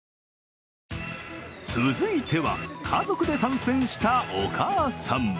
続いては、家族で参戦したお母さん。